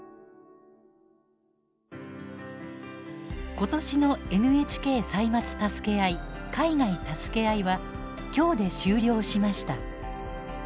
今年の「ＮＨＫ歳末たすけあい海外たすけあい」は今日で終了しました。